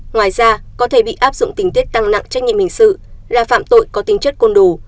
ngoài ra có thể bị áp dụng tình tiết tăng nặng trách nhiệm hình sự là phạm tội có tính chất côn đồ